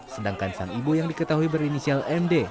sedangkan sang ibu yang diketahui berinisial md